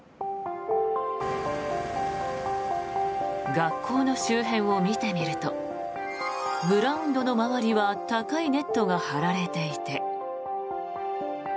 学校の周辺を見てみるとグラウンドの周りは高いネットが張られていて。